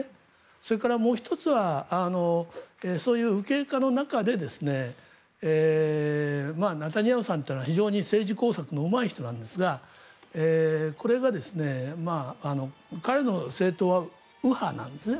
それからもう１つはそういう右傾化の中でネタニヤフさんというのは非常に政治工作のうまい人なんですがこれが彼の政党は右派なんですね